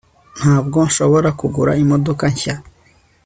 ntabwo nshobora kugura imodoka nshya